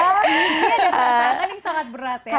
ini ada perut yang sangat berat ya